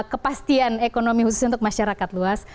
kepastian ekonomi khususnya untuk masyarakat luas